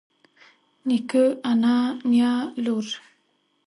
نيکه انا نيا لور